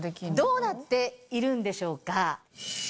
どうなっているんでしょうか？